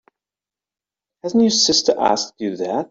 Hasn't your sister asked you that?